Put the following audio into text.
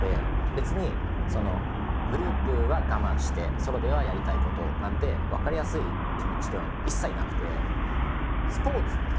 別にグループは我慢してソロではやりたいことをなんて分かりやすい気持ちでは一切なくて。